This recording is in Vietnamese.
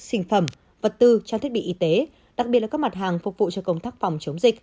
sinh phẩm vật tư trang thiết bị y tế đặc biệt là các mặt hàng phục vụ cho công tác phòng chống dịch